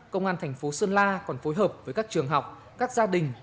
công an thành phố sơn la còn phối hợp với các trường học các gia đình